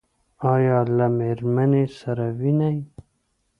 ایا له میرمنې سره وینئ؟